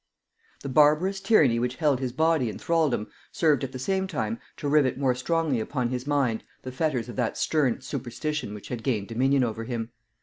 The barbarous tyranny which held his body in thraldom, served at the same time to rivet more strongly upon his mind the fetters of that stern superstition which had gained dominion over him.